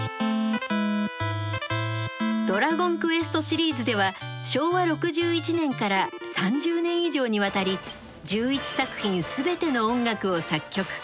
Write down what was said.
「ドラゴンクエスト」シリーズでは昭和６１年から３０年以上にわたり１１作品全ての音楽を作曲。